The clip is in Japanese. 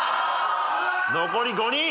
残り５人。